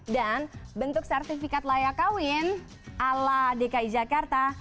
dan bentuk sertifikat layak kawin ala dki jakarta